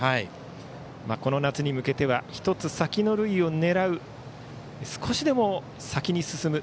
この夏に向けては１つ先の塁を狙う少しでも先に進む。